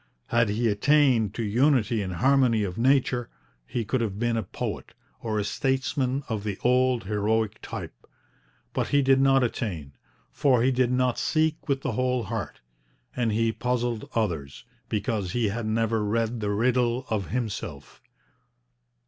Had he attained to unity and harmony of nature, he could have been a poet, or a statesman of the old heroic type. But he did not attain, for he did not seek with the whole heart. And he puzzled others, because he had never read the riddle of himself.